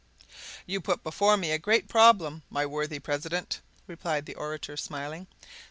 "You put before me a great problem, my worthy president," replied the orator, smiling.